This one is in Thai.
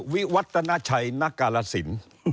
วิวัตนาชัยนักการสิน